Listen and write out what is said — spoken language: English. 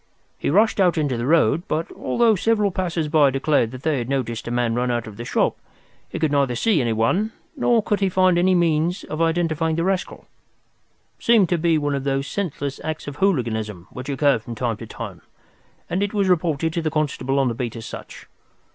He rushed out into the road, but, although several passers by declared that they had noticed a man run out of the shop, he could neither see anyone nor could he find any means of identifying the rascal. It seemed to be one of those senseless acts of hooliganism which occur from time to time, and it was reported to the constable on the beat as such.